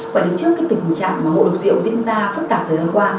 và đến trước tình trạng mộ độc rượu diễn ra phức tạp thời gian qua